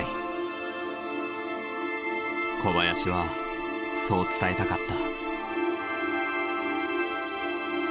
小林はそう伝えたかった。